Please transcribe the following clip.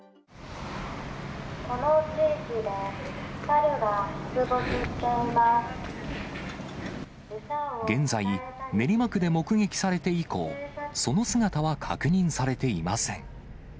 この地域で、サルが出没して現在、練馬区で目撃されて以降、その姿は確認されていません。